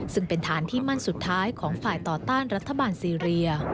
ซึ่งเป็นฐานที่มั่นสุดท้ายของฝ่ายต่อต้านรัฐบาลซีเรีย